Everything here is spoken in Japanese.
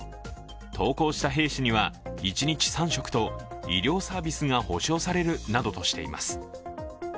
投降した兵士には一日３食と医療サービスが保証されるなどとしています。